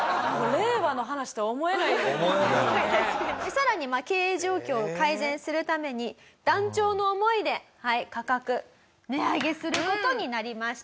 さらに経営状況を改善するために断腸の思いで価格値上げする事になりました。